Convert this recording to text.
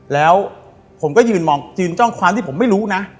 แล้วผมก็ยืนมองยืนจ้องความที่ผมไม่รู้นะ